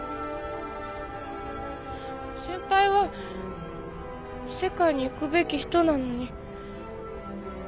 先輩は世界に行くべき人なのに。